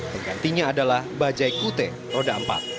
yang gantinya adalah bajai kute roda empat